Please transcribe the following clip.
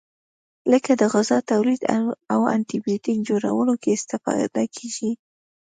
لکه د غذا تولید او انټي بیوټیک جوړولو کې استفاده کیږي.